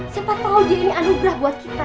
siapa tau dia ini anugerah buat kita